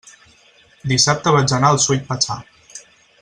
Dissabte vaig anar al Sweet Pachá.